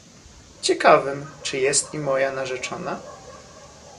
"Ciekawym, czy jest i moja narzeczona?..."